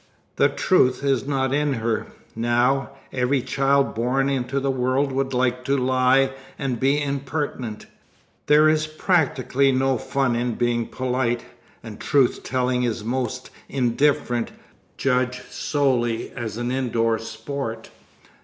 The truth is not in her. Now, every child born into the world would like to lie and be impertinent. There is practically no fun in being polite, and truth telling is most indifferent judged solely as an indoor sport.